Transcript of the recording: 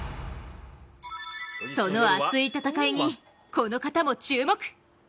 その熱い戦いにこの方も注目。